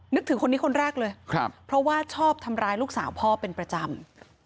นึกถึงคนนี้คนแรกเลยเพราะว่าชอบทำร้ายลูกสาวพ่อเป็นประจำ